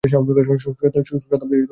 শতাব্দী পার হয়েছে।